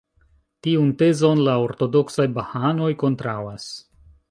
Tiun tezon la ortodoksaj Bahaanoj kontraŭas.